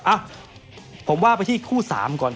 พี่แดงก็พอสัมพันธ์พูดเลยนะครับ